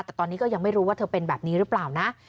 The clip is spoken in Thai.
แต่ตอนนี้ก็ยังไม่รู้ว่าเธอเป็นแบบนี้หรือเปล่านะ